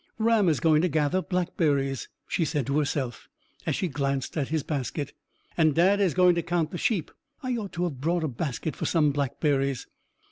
"Ram is going to gather blackberries," she said to herself, as she glanced at his basket; "and Dadd is going to count the sheep. I ought to have brought a basket for some blackberries."